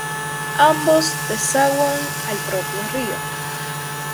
Ambos desaguan al propio río.